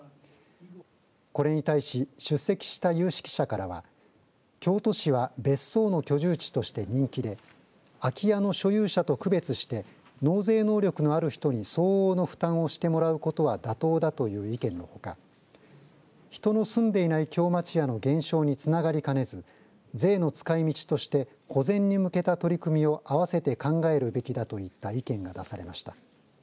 これに対し出席した有識者からは京都市は別荘の居住地として人気で空き家の所有者と区別して納税能力のある人に相応の負担をしてもらうことは妥当だという意見のほか人の住んでいない京町家の減少につながりかねず税の使いみちとして保全に向けた取り組みを合わせて考えるべきだといった意見が出されました。